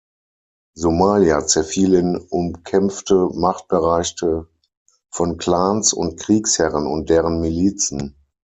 Somalia zerfiel in umkämpfte Machtbereiche von Clans und Kriegsherren und deren Milizen.